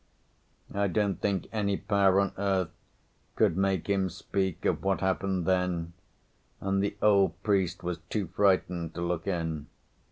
I don't think any power on earth could make him speak of what happened then, and the old priest was too frightened to look in.